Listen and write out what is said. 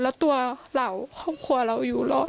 แล้วตัวเราครอบครัวเราอยู่รอบ